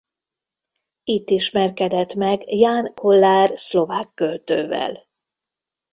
Itt ismerkedett meg Ján Kollár szlovák költővel.